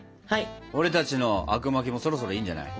俺たちのあくまきもそろそろいいんじゃない？